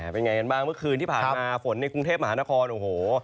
เป็นไงกันบ้างเมื่อคืนที่ผ่านมาฝนในกรุงเทพมหานครโอ้โห